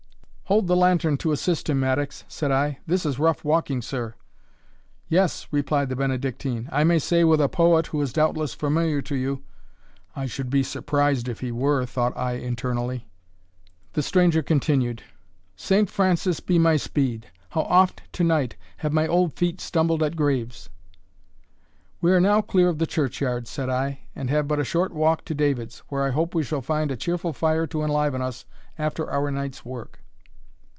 "Hold the lantern to assist him, Mattocks," said I. "This is rough walking, sir." "Yes," replied the Benedictine; "I may say with a poet, who is doubtless familiar to you " I should be surprised if he were, thought I internally. The stranger continued: "Saint Francis be my speed! how oft to night Have my old feet stumbled at graves!" "We are now clear of the churchyard," said I, "and have but a short walk to David's, where I hope we shall find a cheerful fire to enliven us after our night's work."